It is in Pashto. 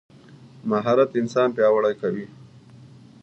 مهارت انسان پیاوړی کوي.